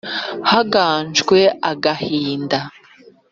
Haganje agahinda